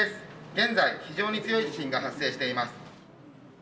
現在非常に強い地震が発生しています。